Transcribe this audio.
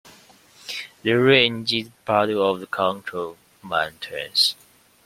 The range is part of the Concord Mountains.